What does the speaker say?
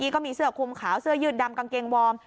ก็มีเสื้อคุมขาวเสื้อยืดดำกางเกงวอร์ม